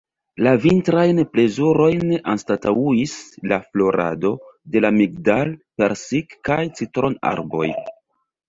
La vintrajn plezurojn anstataŭis la florado de la migdal-, persik- kaj citron-arboj.